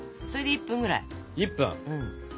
１分。